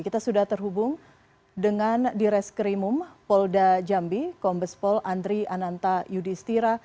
kita sudah terhubung dengan di reskrimum polda jambi kombespol andri ananta yudhistira